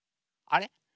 あれ？